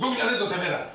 てめえら！